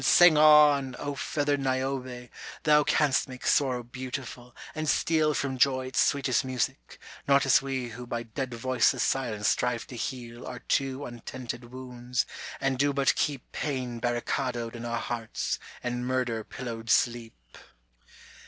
sing on ! O feathered Niobe, Thou canst make sorrow beautiful, and steal From joy its sweetest music, not as we Who by dead voiceless silence strive to heal Our too untented wounds, and do but keep Pain barricadoed in our hearts, and murder pillowed sleep.